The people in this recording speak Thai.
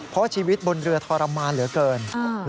เพราะชีวิตบนเรือทรมานเหลือเกิน